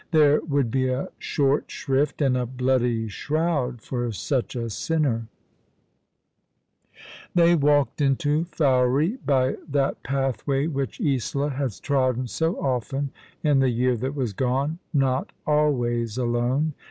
There would be a short shrift and a bloody shroud for such a sinner ! They walked into Fowey by that pathway which Isola had trodden so often in the year that w^as gone— not always alone.